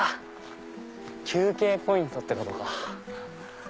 休憩ポイントってことか。